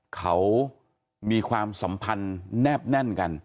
เขามีความสัมพันธ์แนบแน่นกัน